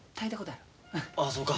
ああそうか。